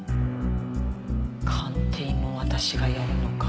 鑑定も私がやるのか。